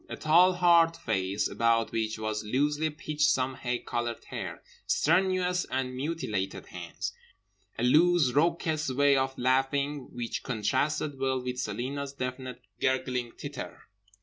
A tall hard face about which was loosely pitched some hay coloured hair. Strenuous and mutilated hands. A loose, raucous way of laughing, which contrasted well with Celina's definite gurgling titter.